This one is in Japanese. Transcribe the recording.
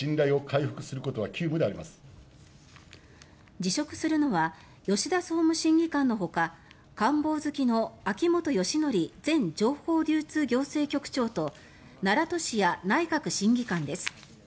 辞職するのは吉田総務審議官のほか官房付の秋本芳徳前情報流通行政局長と奈良俊哉内閣審議官です。